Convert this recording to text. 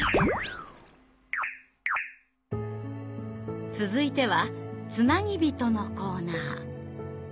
続いては「つなぎびと」のコーナー。